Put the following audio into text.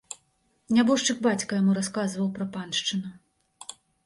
Нябожчык бацька яму расказваў пра паншчыну.